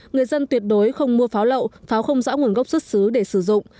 người dân tuyệt đối không mua pháo lậu pháo không rõ nguồn gốc xuất xứ để sử dụng